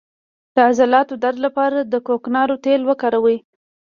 د عضلاتو درد لپاره د کوکنارو تېل وکاروئ